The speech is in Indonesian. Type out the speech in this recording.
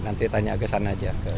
nanti tanya ke sana aja